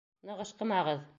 Ныҡ ышҡымағыҙ.